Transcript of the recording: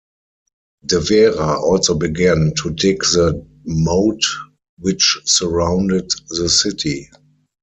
De Vera also began to dig the moat which surrounded the city.